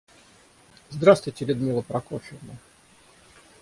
Здравствуйте, Людмила Прокофьевна!